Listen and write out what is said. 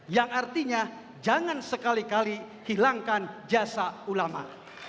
yang artinya jangan sekali kali hilangkan jasa ulama